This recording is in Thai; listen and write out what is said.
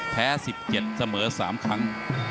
๑๗เสมอ๓ครั้ง